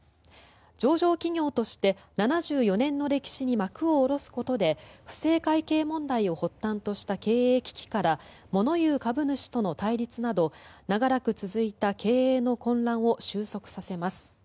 上場企業として７４年の歴史に幕を下ろすことで不正会計問題を発端とした経営危機から物言う株主との対立など長らく続いた経営の混乱を収束させます。